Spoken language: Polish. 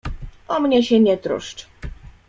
O mnie się nie troszcz.